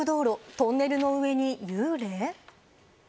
トンネルの上に幽霊？